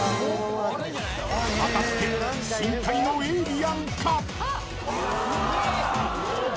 ［果たして深海のエイリアンか！？］